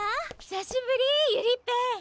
久しぶりゆりっぺ！